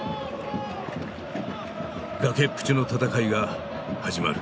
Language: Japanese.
崖っぷちの戦いが始まる。